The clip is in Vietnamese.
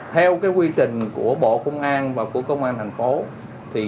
theo quy trình của bộ công an và của công an thành phố